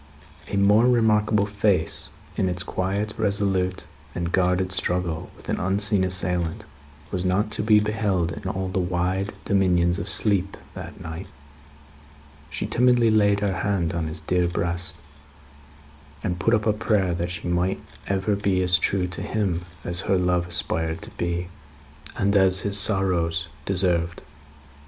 A more remarkable face in its quiet, resolute, and guarded struggle with an unseen assailant, was not to be beheld in all the wide dominions of sleep, that night. She timidly laid her hand on his dear breast, and put up a prayer that she might ever be as true to him as her love aspired to be, and as his sorrows deserved.